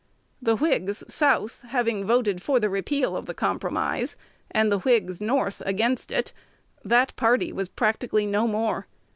The Whigs South having voted for the repeal of the compromise, and the Whigs North against it, that party was practically no more.